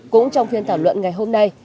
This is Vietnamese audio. cũng trong phiên thảo luận ngày hôm nay